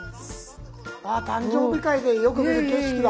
あ誕生日会でよく見る景色だ。